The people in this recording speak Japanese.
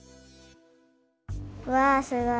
わすごい。